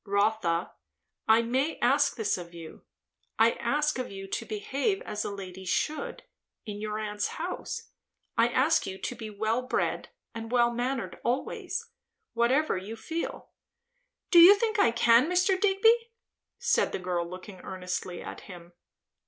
"Rotha, I may ask this of you. I ask of you to behave as a lady should, in your aunt's house. I ask you to be well bred and well mannered always; whatever you feel." "Do you think I can, Mr. Digby?" said the girl looking earnestly at him.